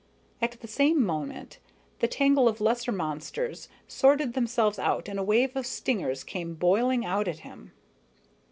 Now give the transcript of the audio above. At the same moment, the tangle of lesser monsters sorted themselves out and a wave of stingers came boiling out at him.